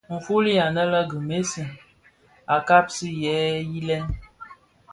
Nfuli anë lè Gremisse a ghaksi jèè yilè.